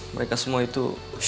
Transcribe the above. mereka semua itu